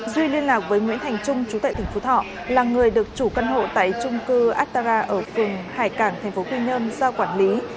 duy liên lạc với nguyễn thành trung chủ tệ tỉnh phú thọ là người được chủ căn hộ tại trung cư atara ở phường hải cảng thành phố quy nhơn do quản lý